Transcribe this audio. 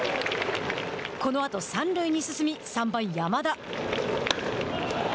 このあと三塁に進み３番、山田。